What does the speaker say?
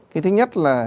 cái thứ nhất là